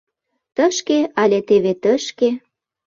Тышке, але теве тышке.